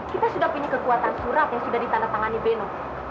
kita sudah punya kekuatan surat yang sudah ditandatangani beno